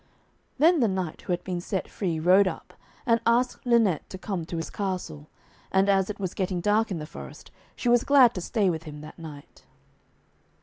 Then the knight who had been set free rode up, and asked Lynette to come to his castle, and as it was getting dark in the forest, she was glad to stay with him that night.